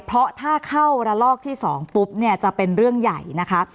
เพราะถ้าเข้าระลอกที่๒ปุ๊บเนี่ยจะเป็นเรื่องใหญ่นะคะ